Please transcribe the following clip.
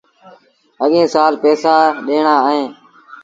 اَڳيٚن سآل پئيٚسآ ڏيڻآ اهيݩ۔